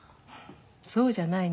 そうじゃないの。